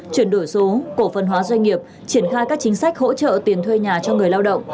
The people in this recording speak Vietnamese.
chuyển đổi số cổ phân hóa doanh nghiệp triển khai các chính sách hỗ trợ tiền thuê nhà cho người lao động